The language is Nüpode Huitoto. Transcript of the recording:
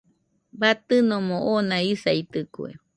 Batɨnomo oona isaitɨkue.